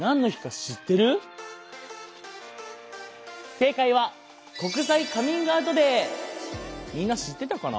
正解はみんな知ってたかな？